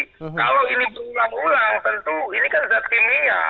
kalau ini berulang ulang tentu ini kan zat kimia